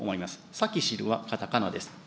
サキシルはカタカナです。